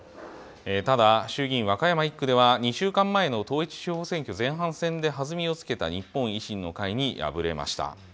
ただ、衆議院和歌山１区では２週間前の統一地方選挙前半戦で弾みをつけた日本維新の会に敗れました。